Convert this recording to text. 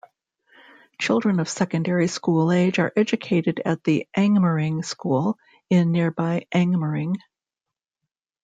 Children of secondary school age are educated at The Angmering School in nearby Angmering.